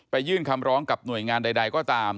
ยื่นคำร้องกับหน่วยงานใดก็ตาม